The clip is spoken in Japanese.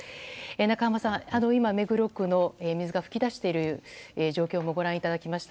中濱さん、今、目黒区の水が噴き出している状況もご覧いただきました。